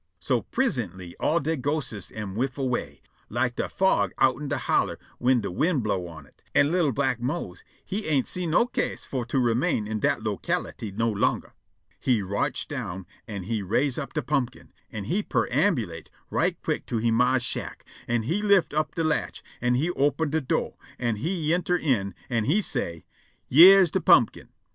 So prisintly all de ghostes am whiff away, like de fog outen de holler whin de wind blow' on it, an' li'l' black Mose he ain' see no ca'se for to remain in dat locality no longer. He rotch' down, an' he raise' up de pumpkin, an' he perambulate' right quick to he ma's shack, an' he lift' up de latch, an' he open' de do', an' he yenter' in. An' he say': "Yere's de pumpkin."